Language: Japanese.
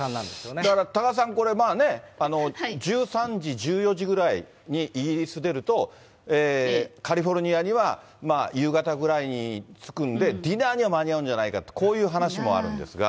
だから多賀さん、これね、１３時、１４時ぐらいにイギリス出ると、カリフォルニアには夕方ぐらいに着くんで、ディナーには間に合うんじゃないかと、こういう話もあるんですが。